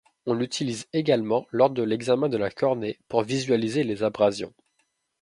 On l'utilise également lors de l'examen de la cornée pour visualiser les abrasions.